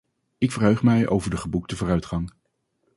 Ik verheug mij over de geboekte vooruitgang.